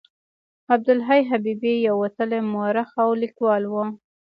عبدالحي حبیبي یو وتلی مورخ او لیکوال و.